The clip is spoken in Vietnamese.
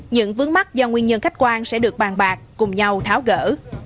những vướng mắt do nguyên nhân khách quan sẽ được bàn bạc cùng nhau tháo gỡ